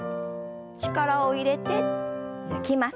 力を入れて抜きます。